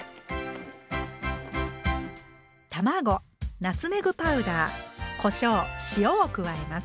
卵ナツメグパウダーこしょう塩を加えます。